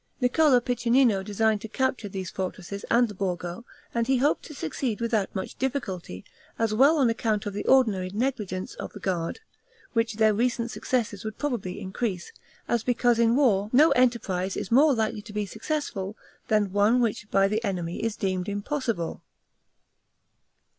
Niccolo Piccinino designed to capture these fortresses and the Borgo, and he hoped to succeed without much difficulty, as well on account of the ordinary negligence of the guard, which their recent successes would probably increase, as because in war no enterprise is more likely to be successful than one which by the enemy is deemed impossible.